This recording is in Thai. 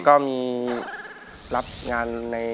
ก็มีรับงานใน